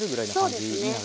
そうですねはい。